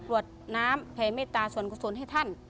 วดน้ำแผ่เมตตาส่วนกุศลให้ท่าน